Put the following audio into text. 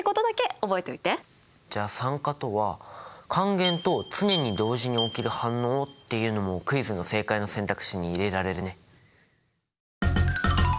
じゃあ酸化とは還元と常に同時に起きる反応っていうのもクイズの正解の選択肢に入れられるね。